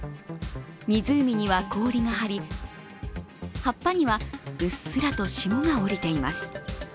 湖には氷が張り、葉っぱにはうっすらと霜が降りています。